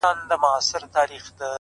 o د زلفو بڼ كي د دنيا خاوند دی،